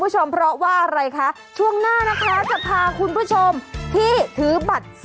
ใช้เมียได้ตลอด